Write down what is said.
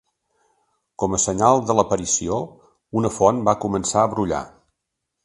Com a senyal de l'aparició, una font va començar a brollar.